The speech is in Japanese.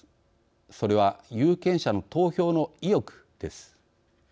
それは有権者の投票の意欲です。